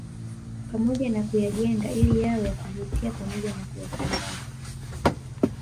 Pamoja na kuyajenga ili yawe ya kuvutia pamoja na kuyatangaza